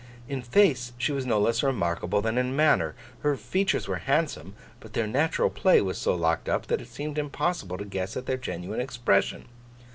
In face she was no less remarkable than in manner. Her features were handsome; but their natural play was so locked up, that it seemed impossible to guess at their genuine expression.